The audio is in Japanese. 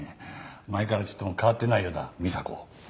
前からちっとも変わってないようだ美沙子。